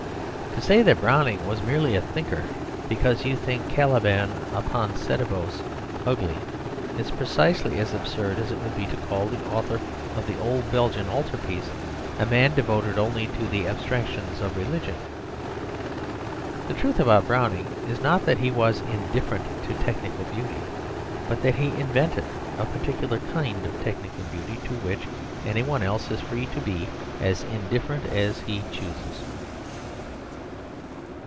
To say that Browning was merely a thinker because you think "Caliban upon Setebos" ugly, is precisely as absurd as it would be to call the author of the old Belgian altarpiece a man devoted only to the abstractions of religion. The truth about Browning is not that he was indifferent to technical beauty, but that he invented a particular kind of technical beauty to which any one else is free to be as indifferent as he chooses.